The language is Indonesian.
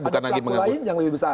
ada faktor lain yang lebih besar